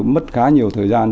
mất khá nhiều thời gian